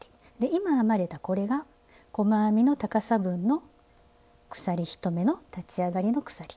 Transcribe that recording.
今編まれたこれが細編みの高さ分の鎖１目の立ち上がりの鎖。